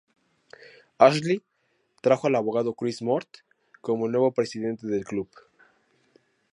Ashley trajo al abogado Chris Mort como el nuevo Presidente del Club.